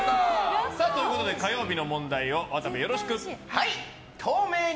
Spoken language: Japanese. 火曜日の問題を渡部、よろしく。